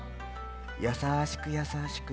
優しく優しく。